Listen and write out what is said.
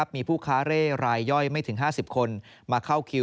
มีผู้ค้าเร่รายย่อยไม่ถึง๕๐คนมาเข้าคิว